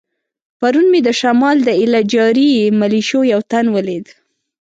پرون مې د شمال د ایله جاري ملیشو یو تن ولید.